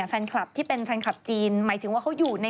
ฉันตอนแรกถือตอนแรกฉันเป็นคน